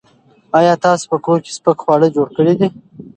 ایا تاسو په کور کې سپک خواړه جوړ کړي دي؟